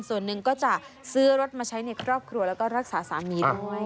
ส่วนหนึ่งก็จะซื้อรถมาใช้ในครอบครัวแล้วก็รักษาสามีด้วย